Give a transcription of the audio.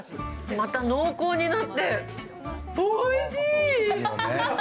また濃厚になって、おいしい。